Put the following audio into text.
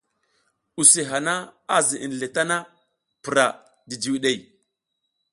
Use hana a ziʼinle tana, pura jijiwiɗey.